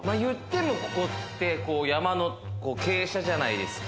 ここは山の傾斜じゃないですか。